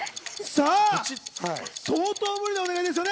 相当な無理なお願いですよね。